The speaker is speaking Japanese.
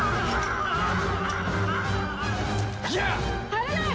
危ない！